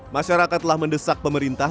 masyarakat telah mendesak pemerintah